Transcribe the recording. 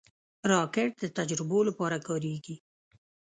راکټ د تجربو لپاره کارېږي